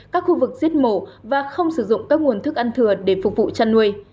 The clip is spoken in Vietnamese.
các khu vực giết mổ và không sử dụng các nguồn thức ăn thừa để phục vụ chăn nuôi